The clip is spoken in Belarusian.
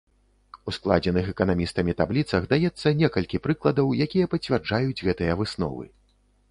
У складзеных эканамістамі табліцах даецца некалькі прыкладаў, якія пацвярджаюць гэтыя высновы.